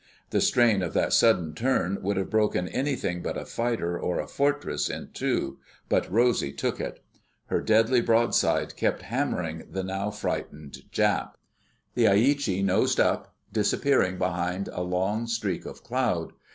The strain of that sudden turn would have broken anything but a fighter or a Fortress in two, but Rosy took it. Her deadly broadside kept hammering the now frightened Jap. The Aichi nosed up, disappearing behind a long streak of cloud.